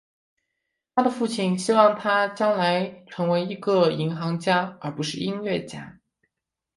他的父亲希望他将来成为一个银行家而不是一个音乐家。